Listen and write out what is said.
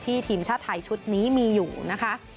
ทีมชาติไทยชุดนี้มีอยู่นะคะ